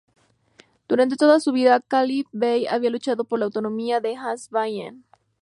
Durante toda su vida Khalil bey había luchado por la ""autonomía de Azerbaiyán"".